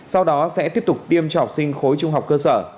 sau đó sẽ tiếp tục tiêm cho học sinh khối trung học cơ sở